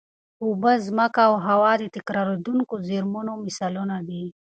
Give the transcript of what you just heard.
اوبه، ځمکه او هوا د تکرارېدونکو زېرمونو مثالونه دي.